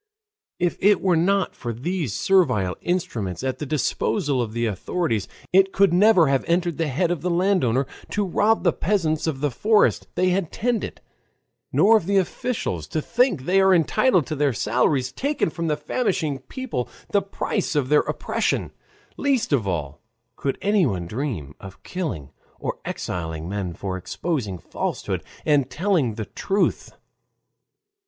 If it were not for these servile instruments at the disposal of the authorities, it could never have entered the head of the landowner to rob the peasants of the forest they had tended, nor of the officials to think they are entitled to their salaries, taken from the famishing people, the price of their oppression; least of all could anyone dream of killing or exiling men for exposing falsehood and telling the truth.